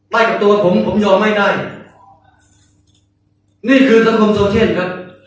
ไม่ตัวผมผมยอมไม่ได้นี่คือสังคมโซเชียลครับ